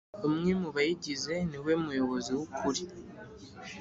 umwe mu bayigize niwe umuyobozi wu kuri